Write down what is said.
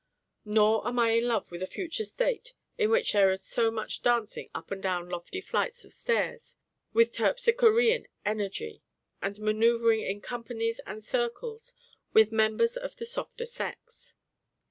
Nor am I in love with a future state in which there is so much dancing up and down lofty flights of stairs with terpsichorean energy, and manoeuvring in companies and circles with members of the softer sex.